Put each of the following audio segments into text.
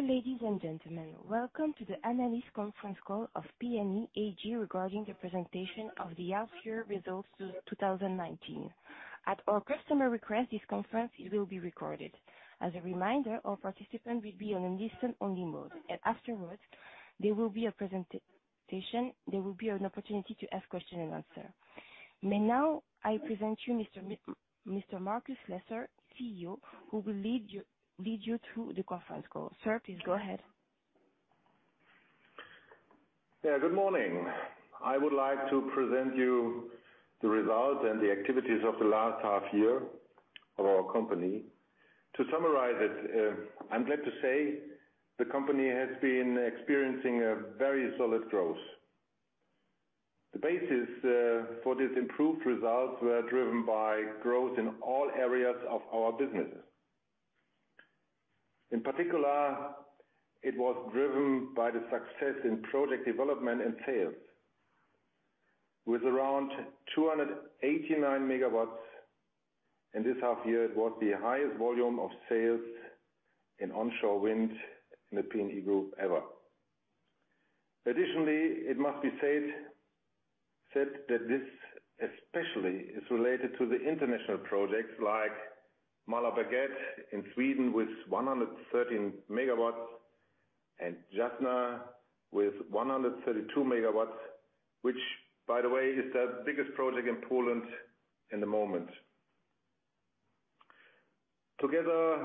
Ladies and gentlemen, welcome to the analyst conference call of PNE AG regarding the presentation of the half year results 2019. At our customer request, this conference will be recorded. As a reminder, all participants will be on a listen-only mode. Afterwards there will be an opportunity to ask question and answer. May now I present you, Mr. Markus Lesser, CEO, who will lead you through the conference call. Sir, please go ahead. Good morning. I would like to present you the results and the activities of the last half year of our company. To summarize it, I'm glad to say the company has been experiencing a very solid growth. The basis for this improved results were driven by growth in all areas of our businesses. In particular, it was driven by the success in project development and sales. With around 289 MW in this half year, it was the highest volume of sales in onshore wind in the PNE Group ever. Additionally, it must be said that this especially is related to the international projects like Målarbergets in Sweden with 113 MW and Jasna with 132 MW, which by the way, is the biggest project in Poland in the moment. Together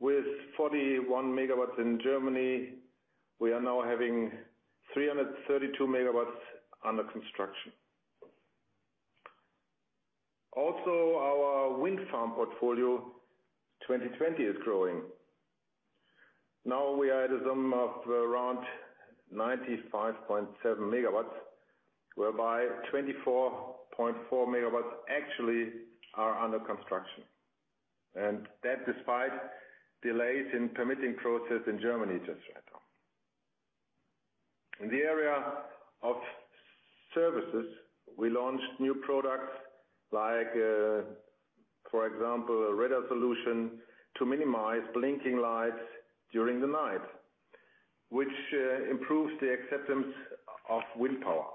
with 41 MW in Germany, we are now having 332 MW under construction. Our wind farm portfolio 2020 is growing. Now we are at a sum of around 95.7 MW, whereby 24.4 MW actually are under construction. That despite delays in permitting process in Germany just right now. In the area of services, we launched new products like, for example, a radar solution to minimize blinking lights during the night, which improves the acceptance of wind power.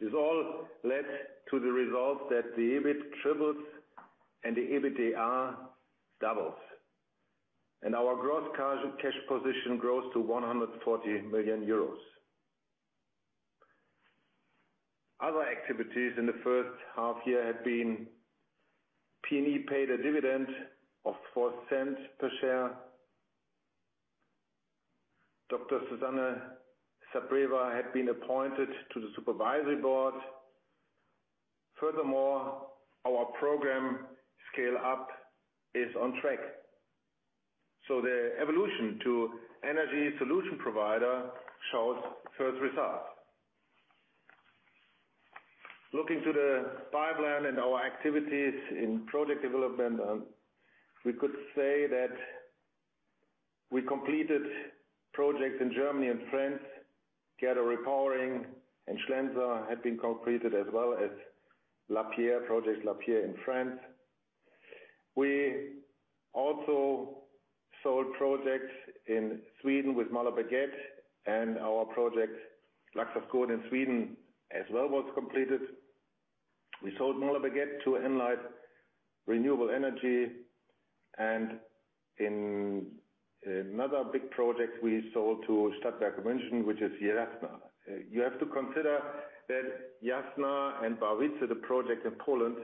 This all led to the result that the EBIT triples and the EBITDA doubles. Our gross cash position grows to 140 million euros. Other activities in the first half year have been PNE paid a dividend of 0.04 per share. Dr. Susanna Zapreva had been appointed to the supervisory board. Our program scale-up is on track, so the evolution to energy solution provider shows first results. Looking to the pipeline and our activities in project development, we could say that we completed projects in Germany and France, Gerdau Repowering and Schlenzer had been completed, as well as La Pierre, project La Pierre in France. We also sold projects in Sweden with Målarbergets and our project Laxåskogen in Sweden as well was completed. We sold Målarbergets to Enlight Renewable Energy, and another big project we sold to Stadtwerke München, which is Jasna. You have to consider that Jasna and Barwice, the project in Poland,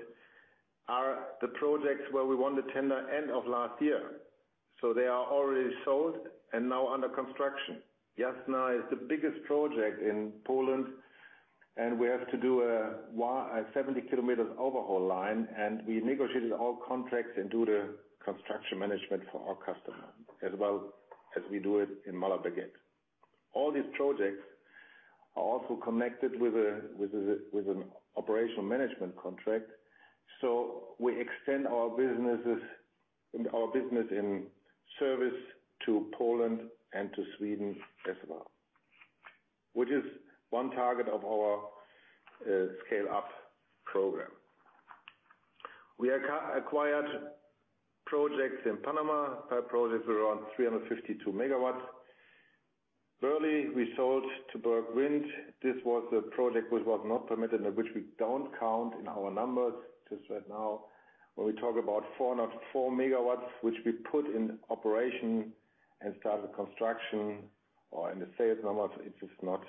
are the projects where we won the tender end of last year. They are already sold and now under construction. Jasna is the biggest project in Poland, and we have to do a 70 km overhaul line, and we negotiated all contracts and do the construction management for our customer, as well as we do it in Målarbergets. All these projects are also connected with an operational management contract. We extend our business in service to Poland and to Sweden as well, which is one target of our scale-up program. We acquired projects in Panama, projects around 352 MW. Burley, we sold to Berg Wind. This was a project which was not permitted and which we don't count in our numbers just right now when we talk about 404 MW, which we put in operation and started construction or in the sales numbers, it is not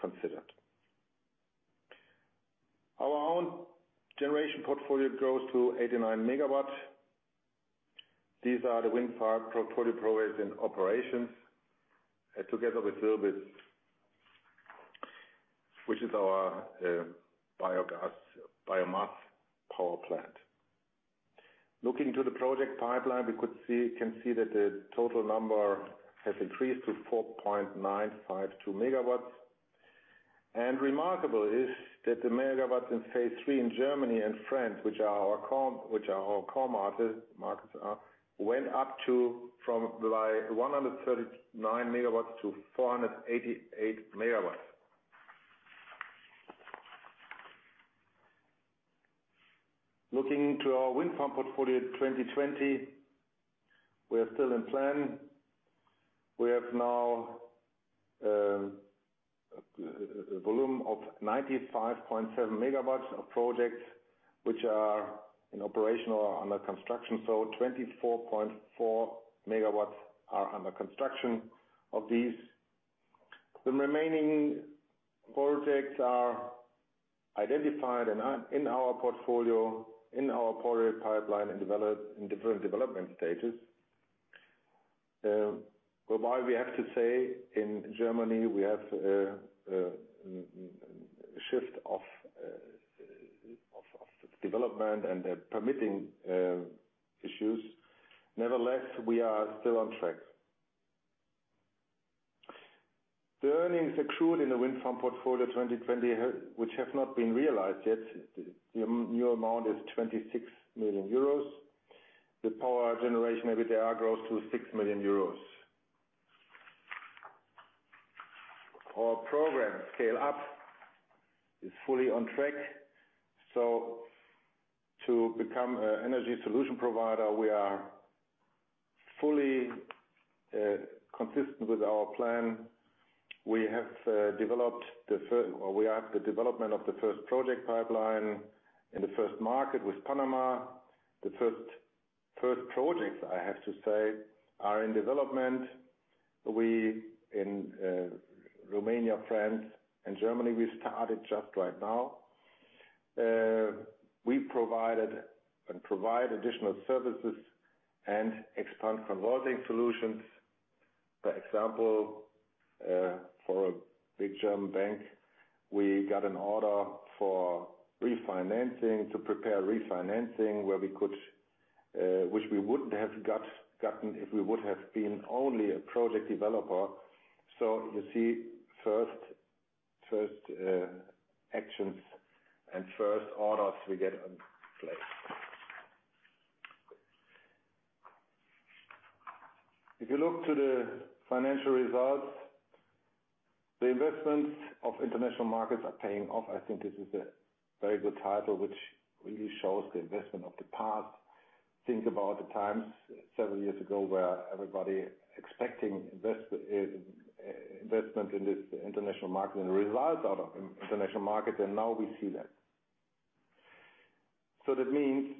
considered. Our own generation portfolio grows to 89 MW. These are the wind farm portfolio projects in operations together with Lörsch, which is our biogas, biomass power plant. Looking to the project pipeline, we can see that the total number has increased to 4,952 MW. Remarkable is that the MW in phase three in Germany and France, which are our core markets, went up from 139 MW to 488 MW. Looking to our wind farm portfolio 2020, we are still in plan. We have now a volume of 95.7 MW of projects which are operational or under construction. 24.4 MW are under construction of these. The remaining projects are identified in our portfolio, in our project pipeline, and in different development stages. We have to say, in Germany, we have a shift of development and permitting issues. Nevertheless, we are still on track. The earnings accrued in the wind farm portfolio 2020, which have not been realized yet, your amount is 26 million euros. The power generation EBITDA grows to 6 million euros. Our program scale-up is fully on track. To become an energy solution provider, we are fully consistent with our plan. We have the development of the first project pipeline in the first market with Panama. The first projects, I have to say, are in development. In Romania, France, and Germany, we started just right now. We provided and provide additional services and expand converting solutions. For example, for a big German bank, we got an order to prepare refinancing, which we wouldn't have gotten if we would have been only a project developer. You see first actions and first orders we get in place. If you look to the financial results, the investments of international markets are paying off. I think this is a very good title, which really shows the investment of the past. Think about the times several years ago where everybody expecting investment in this international market and the results out of international market, now we see that. That means,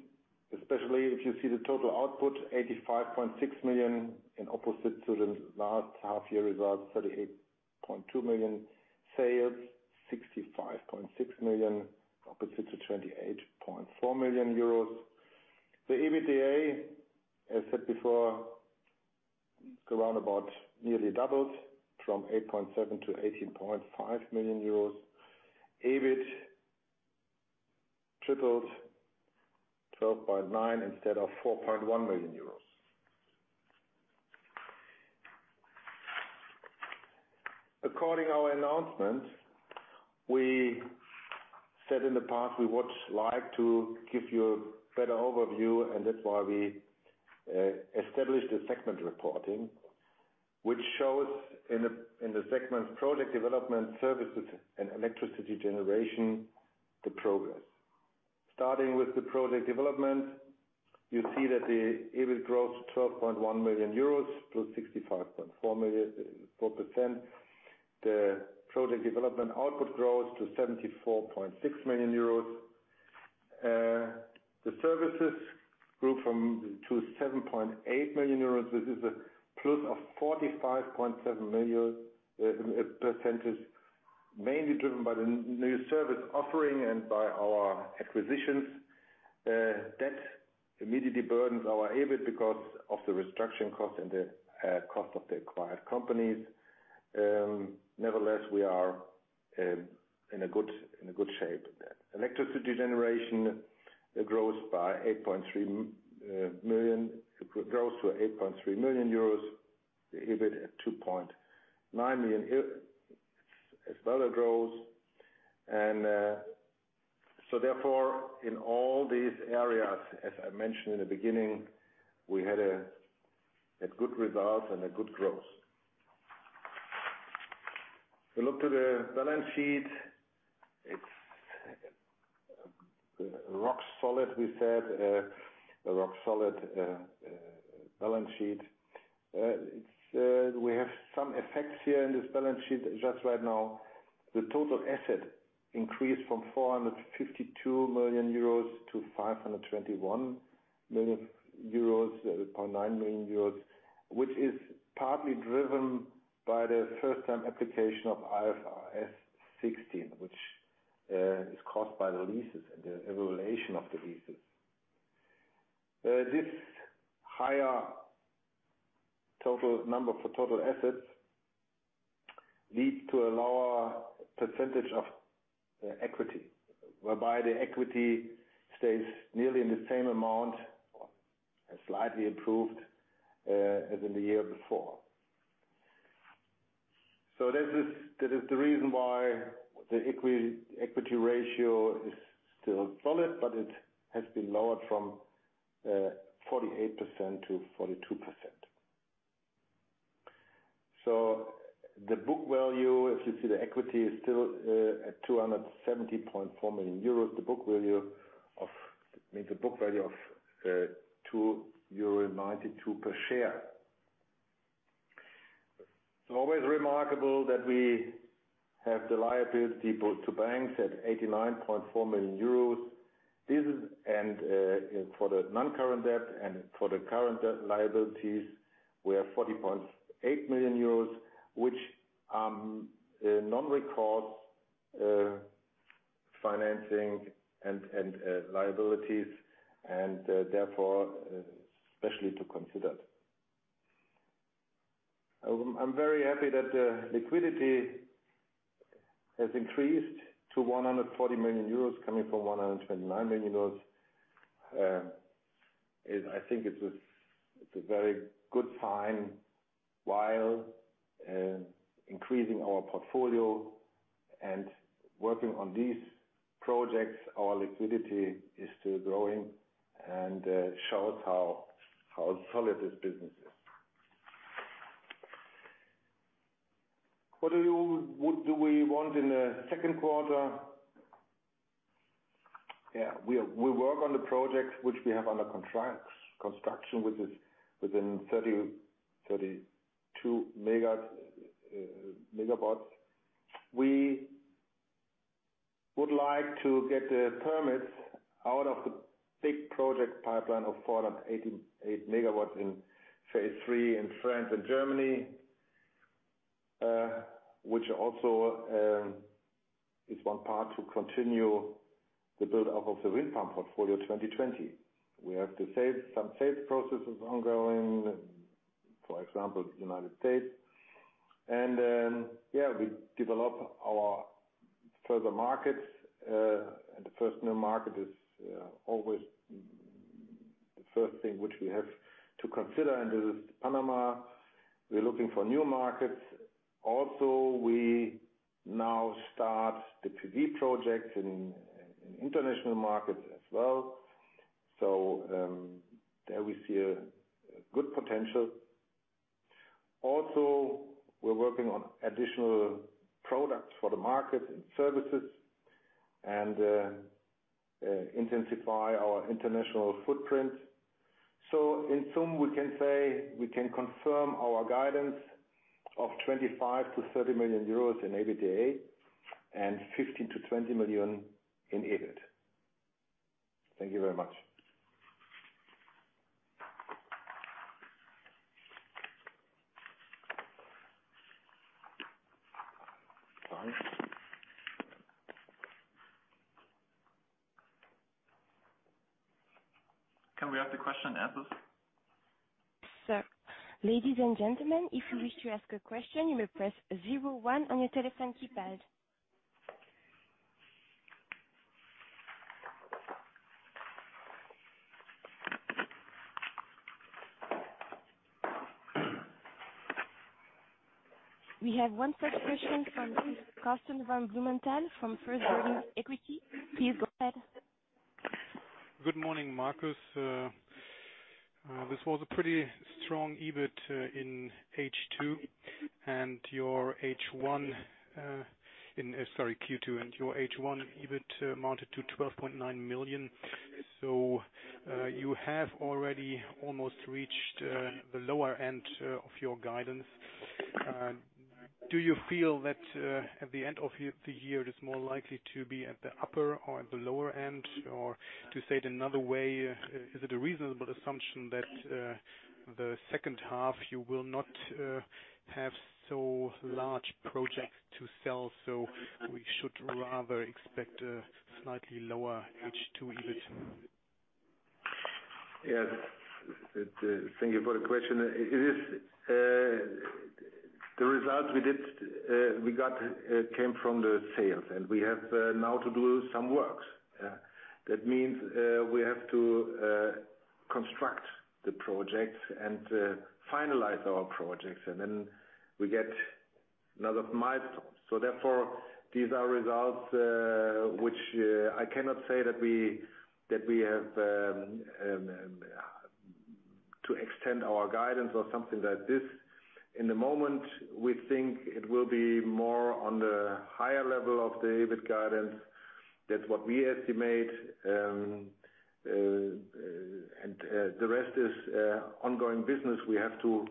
especially if you see the total output, 85.6 million in opposite to the last half year result, 38.2 million sales, 65.6 million opposite to 28.4 million euros. The EBITDA, as said before, go around about nearly doubled from 8.7 to 18.5 million euros. EBIT tripled 12.9 instead of 4.1 million euros. According our announcement, we said in the past we would like to give you a better overview, and that's why we established a segment reporting, which shows in the segments Project Development Services and Electricity Generation, the progress. Starting with the Project Development, you see that the EBIT grows to 12.1 million euros, plus 65.4%. The Project Development output grows to 74.6 million euros. The Services grew to 7.8 million euros. This is a plus of 45.7%, mainly driven by the new service offering and by our acquisitions. That immediately burdens our EBIT because of the restructuring cost and the cost of the acquired companies. Nevertheless, we are in a good shape. Electricity generation grows to 8.3 million euros. The EBIT at 2.9 million as further grows. Therefore, in all these areas, as I mentioned in the beginning, we had a good result and a good growth. If you look to the balance sheet, it's rock solid, we said, a rock solid balance sheet. We have some effects here in this balance sheet just right now. The total asset increased from 452 million euros to 521.9 million euros, which is partly driven by the first time application of IFRS 16, which is caused by the leases and the evaluation of the leases. This higher total number for total assets lead to a lower percentage of equity, whereby the equity stays nearly in the same amount or has slightly improved as in the year before. That is the reason why the equity ratio is still solid, but it has been lowered from 48% to 42%. The book value, if you see the equity is still at 270.4 million euros. The book value of 2.92 euro per share. It's always remarkable that we have the liabilities, people to banks at 89.4 million euros. For the non-current debt and for the current debt liabilities, we have 40.8 million euros, which, non-recourse financing and liabilities and therefore, especially to consider. I'm very happy that the liquidity has increased to 140 million euros coming from 129 million euros. I think it's a very good sign while increasing our portfolio and working on these projects, our liquidity is still growing and shows how solid this business is. What do we want in the second quarter? Yeah, we work on the projects which we have under construction, which is within 32 MW. We would like to get the permits out of the big project pipeline of 488 MW in phase three in France and Germany, which also is one part to continue the buildup of the wind farm portfolio 2020. We have to save some sales processes ongoing, for example, U.S. Yeah, we develop our further markets. The first new market is always the first thing which we have to consider, and this is Panama. We're looking for new markets. Also, we now start the PV projects in international markets as well. There we see a good potential. Also, we're working on additional products for the market and services and intensify our international footprint. In sum, we can say we can confirm our guidance of 25 million-30 million euros in EBITDA and 15 million-20 million in EBIT. Thank you very much. Can we have the question and answers? Sure. Ladies and gentlemen, if you wish to ask a question, you may press zero one on your telephone keypad. We have one such question from Karsten von Blumenthal from First Berlin Equity. Please go ahead. Good morning, Markus. This was a pretty strong EBIT in H2 and your H1, sorry, Q2 and your H1 EBIT amounted to 12.9 million. You have already almost reached the lower end of your guidance. Do you feel that, at the end of the year, it is more likely to be at the upper or at the lower end? To say it another way, is it a reasonable assumption that the second half you will not have so large projects to sell, so we should rather expect a slightly lower H2 EBIT? Yes. Thank you for the question. The results we got came from the sales, and we have now to do some works. That means, we have to construct the projects and finalize our projects, and then we get another milestone. Therefore, these are results, which I cannot say that we have to extend our guidance or something like this. In the moment, we think it will be more on the higher level of the EBIT guidance. That's what we estimate, and the rest is ongoing business. We have to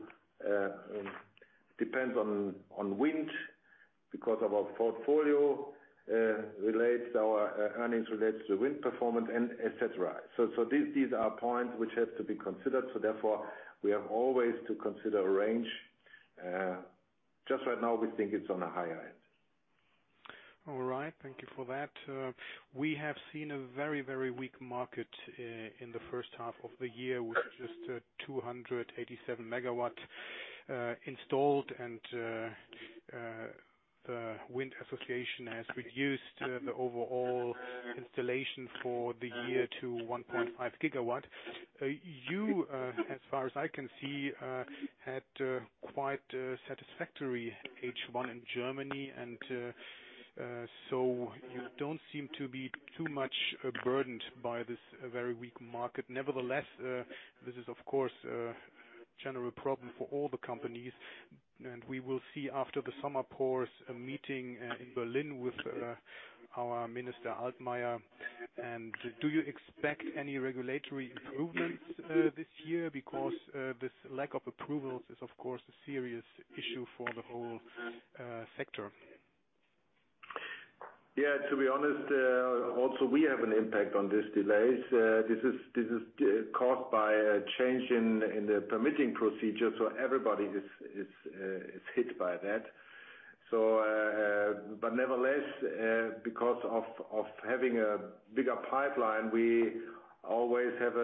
depend on wind because our portfolio relates our earnings relates to wind performance, and et cetera. These are points which have to be considered. Therefore, we have always to consider a range. Just right now, we think it's on the higher end. All right. Thank you for that. We have seen a very weak market in the first half of the year with just 287 MW installed and the wind association has reduced the overall installation for the year to 1.5 GW. You, as far as I can see, had quite a satisfactory H1 in Germany. You don't seem to be too much burdened by this very weak market. Nevertheless, this is, of course, a general problem for all the companies. We will see after the summer pause, a meeting in Berlin with our Minister Altmaier. Do you expect any regulatory improvements this year? Because this lack of approvals is, of course, a serious issue for the whole sector. To be honest, also we have an impact on these delays. This is caused by a change in the permitting procedure, so everybody is hit by that. Nevertheless, because of having a bigger pipeline, we always have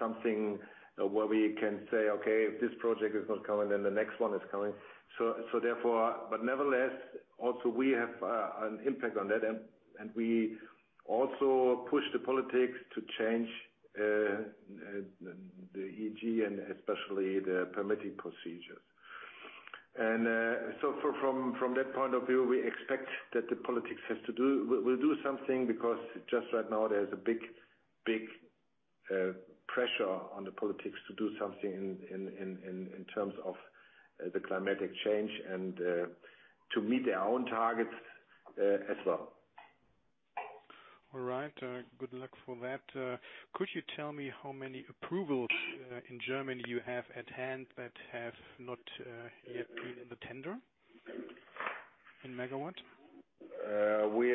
something where we can say, okay, if this project is not coming, then the next one is coming. Nevertheless, also we have an impact on that, and we also push the politics to change the EEG and especially the permitting procedures. From that point of view, we expect that the politics will do something, because just right now, there's a big pressure on the politics to do something in terms of the climatic change and to meet their own targets as well. All right. Good luck for that. Could you tell me how many approvals in Germany you have at hand that have not yet been in the tender, in megawatt? We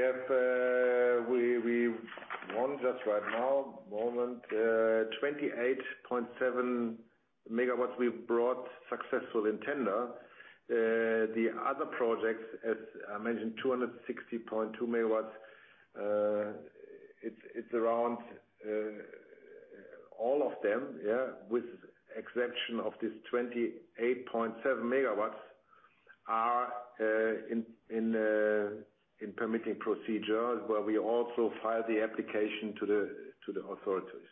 won just right now, at the moment, 28.7 MW we've brought successfully in tender. The other projects, as I mentioned, 260.2 MW, it's around all of them, with exception of this 28.7 MW, are in permitting procedure, where we also file the application to the authorities.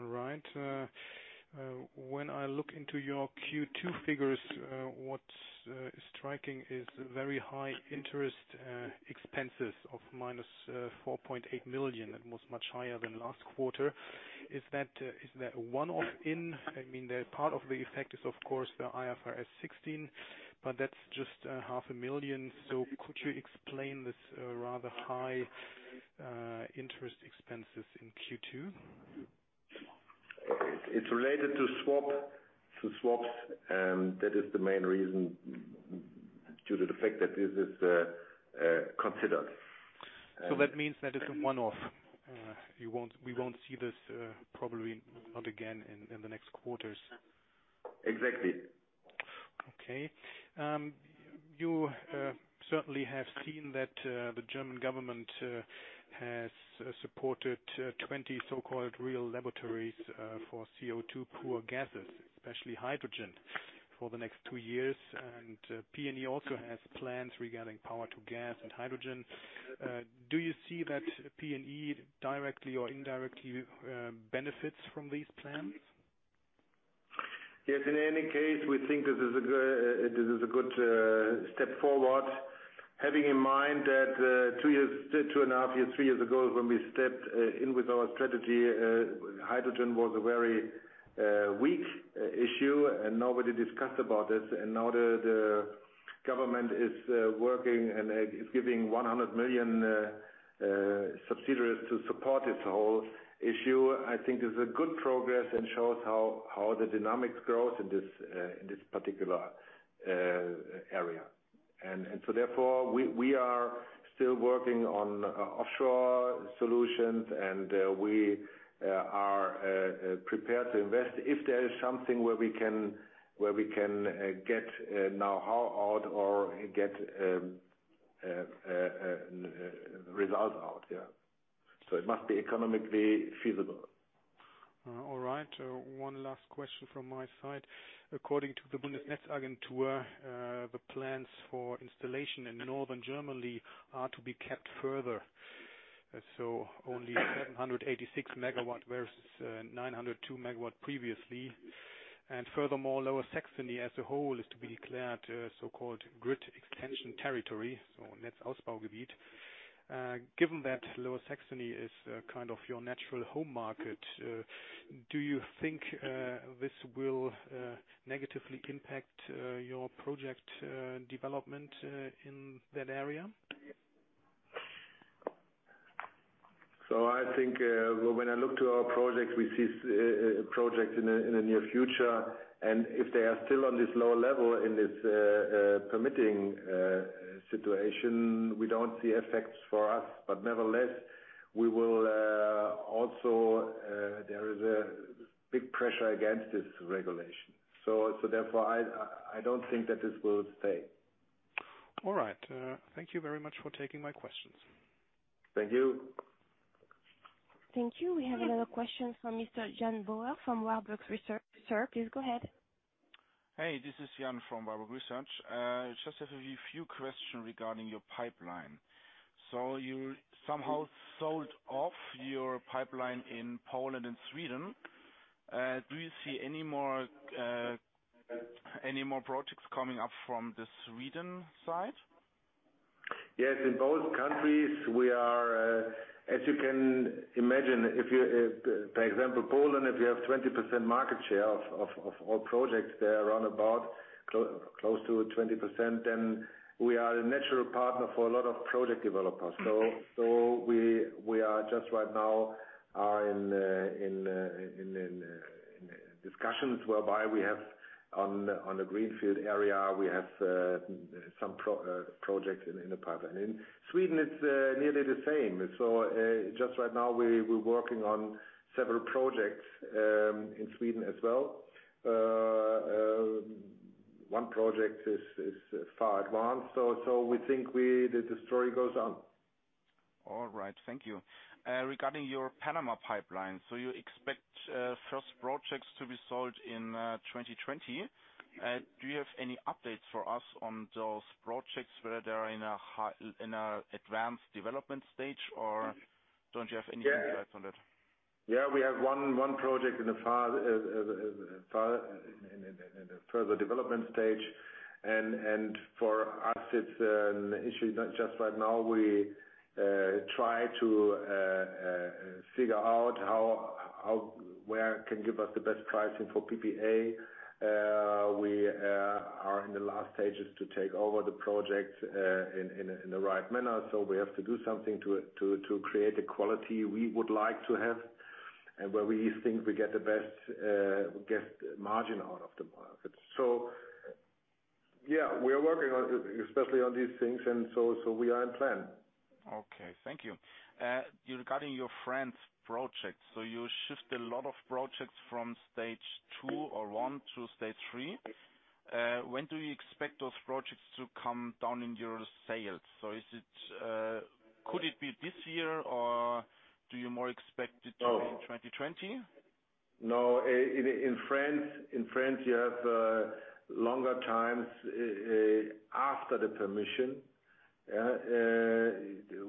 All right. When I look into your Q2 figures, what's striking is very high interest expenses of -4.8 million. That was much higher than last quarter. Is that a one-off? I mean, part of the effect is, of course, the IFRS 16, but that's just half a million. Could you explain this rather high interest expenses in Q2? It's related to swaps. That is the main reason due to the fact that this is considered. That means that is a one-off. We won't see this probably again in the next quarters. Exactly. You certainly have seen that the German government has supported 20 so-called real laboratories for CO2 poor gases, especially hydrogen, for the next two years, and PNE also has plans regarding power to gas and hydrogen. Do you see that PNE directly or indirectly benefits from these plans? Yes, in any case, we think this is a good step forward. Having in mind that two and a half years, three years ago, when we stepped in with our strategy, hydrogen was a very weak issue and nobody discussed about this. Now that the government is working and is giving 100 million subsidies to support this whole issue, I think this is a good progress and shows how the dynamics grows in this particular area. Therefore, we are still working on offshore solutions, and we are prepared to invest if there is something where we can get know-how out or get results out, yeah. It must be economically feasible. All right. One last question from my side. According to the Bundesnetzagentur, the plans for installation in Northern Germany are to be kept further, so only 786 MW versus 902 MW previously. Furthermore, Lower Saxony as a whole is to be declared a so-called grid extension territory, so Netzausbaugebiet. Given that Lower Saxony is kind of your natural home market, do you think this will negatively impact your project development in that area? I think when I look to our projects, we see projects in the near future, and if they are still on this lower level in this permitting situation, we don't see effects for us. Nevertheless, there is a big pressure against this regulation. Therefore, I don't think that this will stay. All right. Thank you very much for taking my questions. Thank you. Thank you. We have another question from Mr. Jan Bauer from Warburg Research. Sir, please go ahead. Hey, this is Jan from Warburg Research. Just have a few question regarding your pipeline. You somehow sold off your pipeline in Poland and Sweden. Do you see any more projects coming up from the Sweden side? Yes, in both countries, as you can imagine, for example, Poland, if you have 20% market share of all projects there, around about close to 20%, then we are a natural partner for a lot of project developers. We are just right now in discussions whereby we have on the Greenfield area, we have some projects in the pipeline. In Sweden, it's nearly the same. Just right now we're working on several projects, in Sweden as well. One project is far advanced, so we think the story goes on. All right. Thank you. Regarding your Panama pipeline, so you expect first projects to be sold in 2020. Do you have any updates for us on those projects, whether they're in a advanced development stage, or don't you have any insights on that? Yeah. We have one project in the further development stage, and for us, it's an issue just right now. We try to figure out where can give us the best pricing for PPA. We are in the last stages to take over the project, in the right manner. We have to do something to create the quality we would like to have, and where we think we get the best margin out of the market. Yeah, we are working especially on these things, and so we are on plan. Okay. Thank you. Regarding your France project, you shift a lot of projects from stage 2 or 1 to stage 3. When do you expect those projects to come down in your sales? Could it be this year, or do you more expect it to be in 2020? No. In France you have longer times after the permission.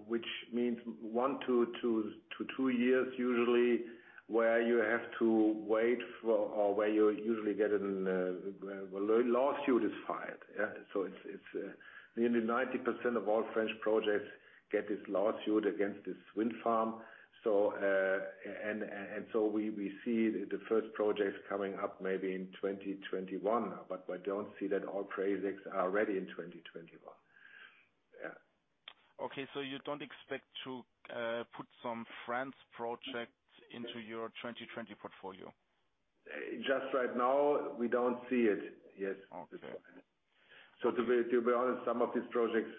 Which means one to two years usually, where you have to wait for, or where you usually get a lawsuit is filed. It's nearly 90% of all French projects get this lawsuit against this wind farm. We see the first projects coming up maybe in 2021, but I don't see that all projects are ready in 2021. Okay. You don't expect to put some France projects into your 2020 portfolio. Just right now, we don't see it. Yes. Okay. To be honest, some of these projects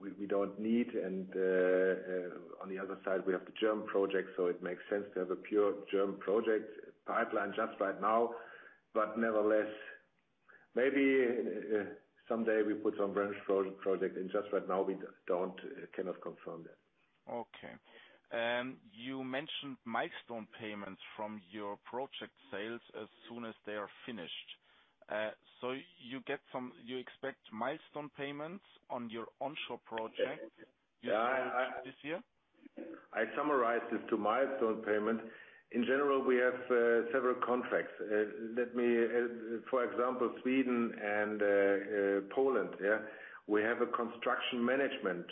we don't need, and on the other side we have the German project, so it makes sense to have a pure German project pipeline just right now. Nevertheless, maybe someday we put some French project in. Just right now, we cannot confirm that. Okay. You mentioned milestone payments from your project sales as soon as they are finished. You expect milestone payments on your onshore project this year? I summarized this to milestone payment. In general, we have several contracts. For example, Sweden and Poland, yeah. We have a construction management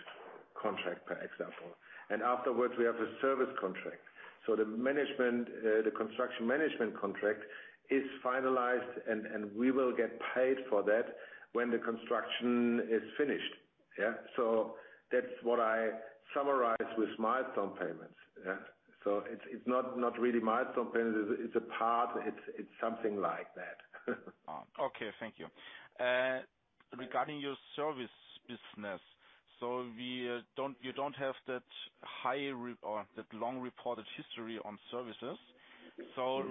contract, for example, and afterwards we have a service contract. The construction management contract is finalized, and we will get paid for that when the construction is finished. Yeah. That's what I summarize with milestone payments, yeah. It's not really milestone payments, it's a part, it's something like that. Okay. Thank you. Regarding your service business, so you don't have that long reported history on services.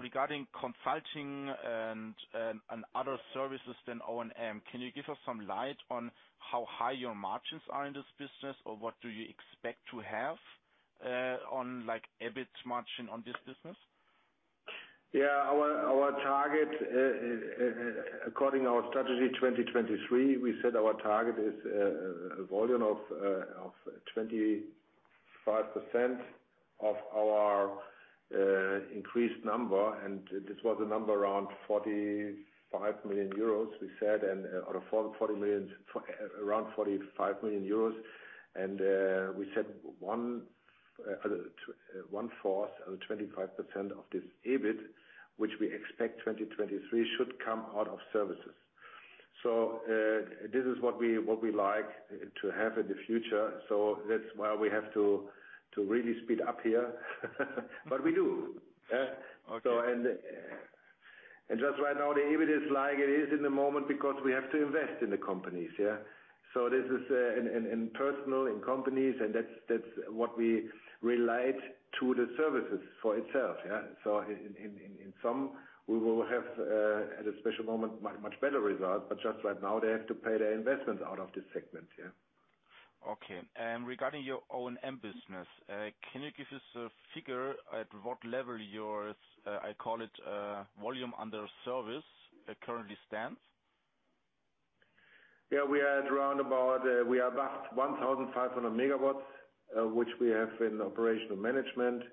Regarding consulting and other services than O&M, can you give us some light on how high your margins are in this business, or what do you expect to have on, like, EBIT margin on this business? Yeah. According our strategy 2023, we said our target is a volume of 25% of our increased number, and this was a number around 45 million euros, around 45 million euros. We said one fourth or 25% of this EBIT, which we expect 2023, should come out of services. This is what we like to have in the future. That's why we have to really speed up here. We do. Yeah. Okay. Just right now, the EBIT is like it is in the moment because we have to invest in the companies, yeah. This is in personnel, in companies, and that's what we relied to the services for itself, yeah. In some, we will have, at a special moment, much better result, but just right now, they have to pay their investments out of this segment, yeah. Okay. Regarding your O&M business, can you give us a figure at what level your, I call it, volume under service currently stands? Yeah, we are at around about 1,500 MW, which we have in operational management.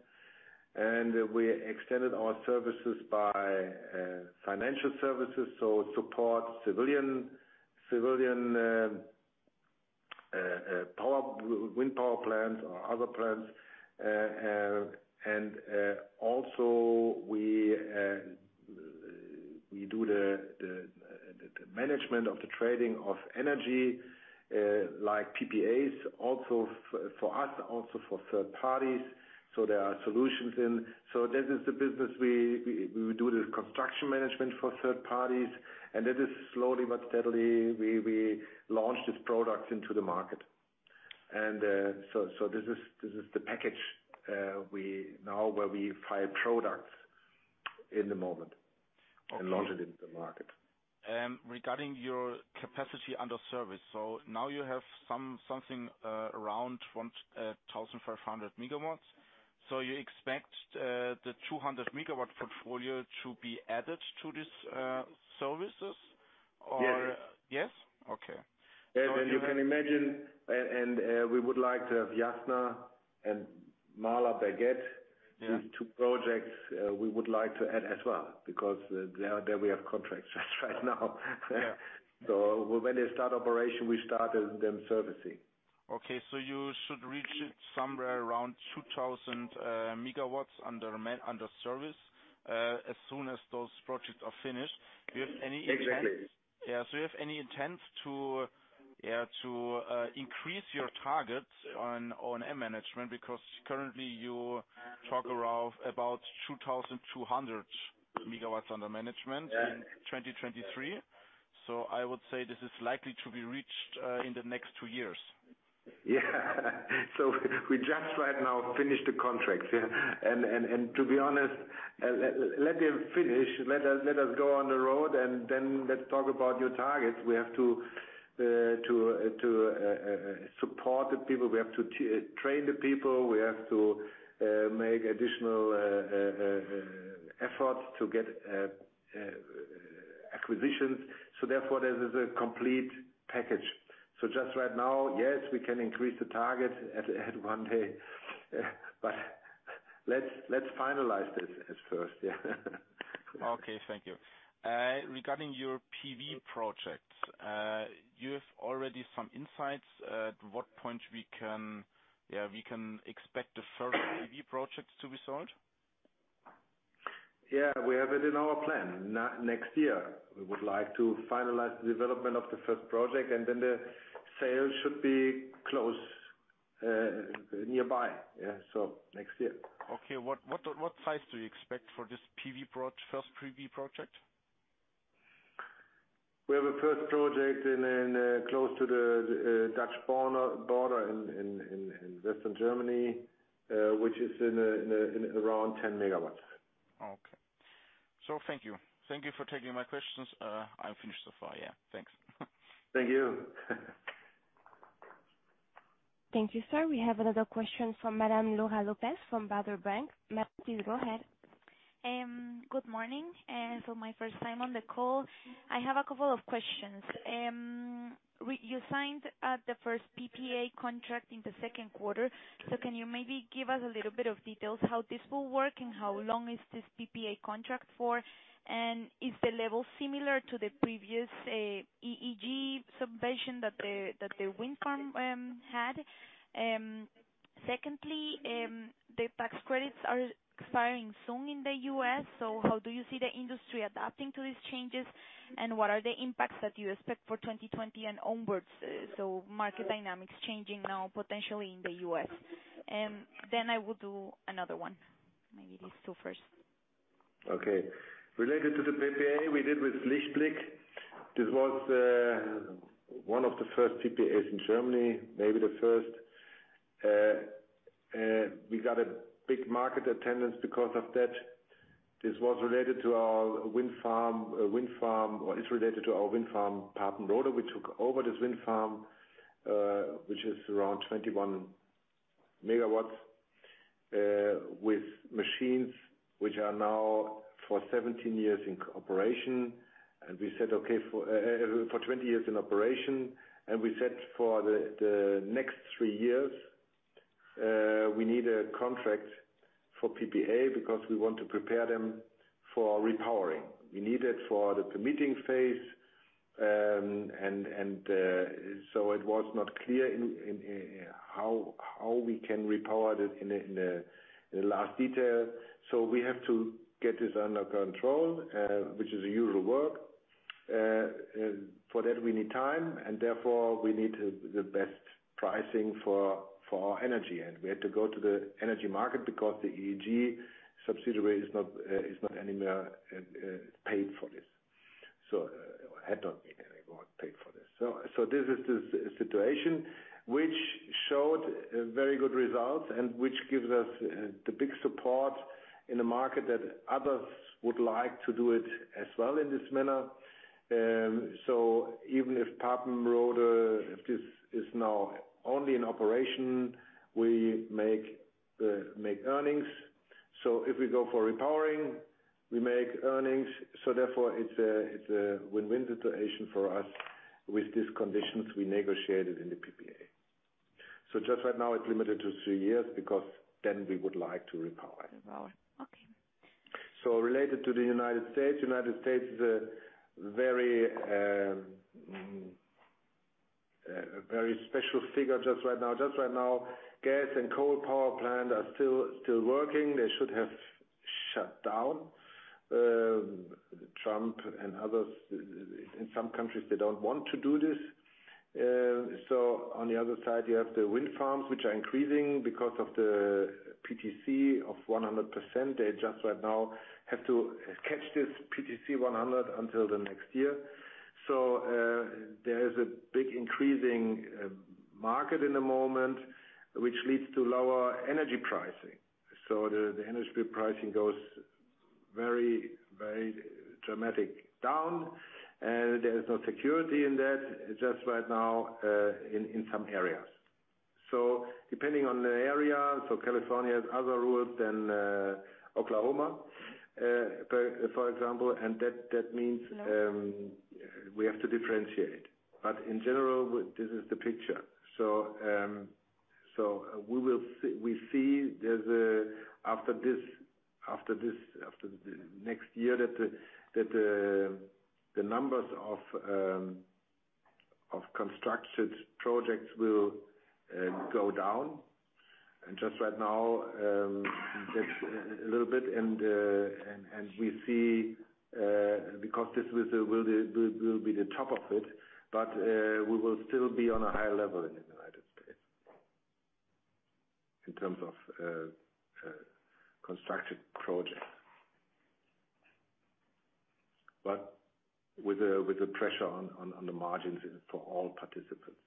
We extended our services by financial services, so, support civilian wind power plants or other plants. Also, we do the management of the trading of energy, like PPAs, also for us, also for third parties. This is the business. We do the construction management for third parties, and that is slowly but steadily, we launch these products into the market. This is the package now where we file products in the moment and launch it into the market. Regarding your capacity under service, now you have something around 1,500 MW. You expect the 200 MW portfolio to be added to these services? Yes. Yes? Okay. You can imagine, and we would like to have Jasna and Målarbergets, These two projects we would like to add as well, because there we have contracts right now. Yeah. When they start operation, we start them servicing. Okay. You should reach somewhere around 2,000 MW under service, as soon as those projects are finished. Do you have any? Exactly. Yeah. Do you have any intent to increase your targets on O&M management, because currently you talk around about 2,200 MW under management? Yeah in 2023. I would say this is likely to be reached in the next two years. Yeah. We just right now finished the contracts. Yeah. To be honest, let them finish. Let us go on the road, and then let's talk about your targets. We have to support the people. We have to train the people. We have to make additional efforts to get acquisitions. Therefore, this is a complete package. Just right now, yes, we can increase the target at one day. Let's finalize this at first. Yeah. Okay. Thank you. Regarding your PV projects, you have already some insights at what point we can expect the first PV projects to be sold? Yeah, we have it in our plan. Next year, we would like to finalize the development of the first project, and then the sale should be close, nearby. Yeah. Next year. Okay. What size do you expect for this first PV project? We have a first project close to the Dutch border in Western Germany, which is around 10 MW. Okay. Thank you. Thank you for taking my questions. I'm finished so far. Yeah. Thanks. Thank you. Thank you, sir. We have another question from Madam Laura Lopez from Baader Bank. Ma'am, please go ahead. Good morning, my first time on the call. I have a couple of questions. You signed the first PPA contract in the second quarter. Can you maybe give us a little bit of details how this will work, and how long is this PPA contract for? Is the level similar to the previous EEG submission that the wind farm had? Secondly, the tax credits are expiring soon in the U.S., how do you see the industry adapting to these changes, and what are the impacts that you expect for 2020 and onwards? Market dynamics changing now potentially in the U.S. I will do another one. Maybe these two first. Okay. Related to the PPA we did with LichtBlick. This was one of the first PPAs in Germany, maybe the first. We got a big market attendance because of that. This was related to our wind farm, or is related to our wind farm, Papenrode. We took over this wind farm, which is around 21 MW, with machines which are now for 17 years in operation. We said, okay, for 20 years in operation, and we said for the next three years, we need a contract for PPA because we want to prepare them for repowering. We need it for the permitting phase, it was not clear how we can repower it in the last detail. We have to get this under control, which is usual work. For that, we need time, and therefore, we need the best pricing for our energy. We had to go to the energy market because the EEG subsidy is not anymore paid for this. Had not been anymore paid for this. This is the situation, which showed very good results and which gives us the big support in the market that others would like to do it as well in this manner. Even if Papenrode, if this is now only in operation, we make earnings. If we go for repowering, we make earnings. Therefore, it's a win-win situation for us with these conditions we negotiated in the PPA. Just right now, it's limited to three years because then we would like to repower. Repower. Okay. Related to the United States. United States is a very special figure just right now. Just right now, gas and coal power plant are still working. They should have shut down. Trump and others, in some countries, they don't want to do this. On the other side, you have the wind farms, which are increasing because of the PTC of 100%. They just right now have to catch this PTC 100 until the next year. There is a big increasing market in the moment, which leads to lower energy pricing. The energy pricing goes very dramatic down, and there is no security in that just right now in some areas. Depending on the area, so California has other rules than Oklahoma, for example, and that means. Yeah We have to differentiate. In general, this is the picture. We see after next year that the numbers of constructed projects will go down. Just right now, a little bit, and we see because this will be the top of it, but we will still be on a high level in the United States in terms of constructed projects. With the pressure on the margins for all participants.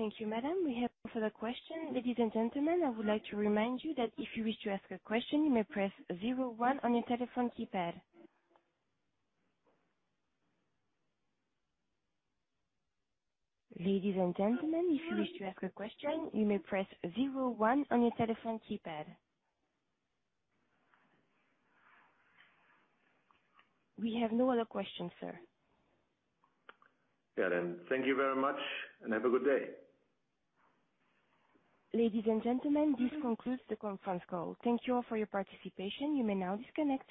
Thank you, madam. We have no further questions. Ladies and gentlemen, I would like to remind you that if you wish to ask a question, you may press zero one on your telephone keypad. Ladies and gentlemen, if you wish to ask a question, you may press zero one on your telephone keypad. We have no other questions, sir. Yeah, then. Thank you very much, and have a good day. Ladies and gentlemen, this concludes the conference call. Thank you all for your participation. You may now disconnect.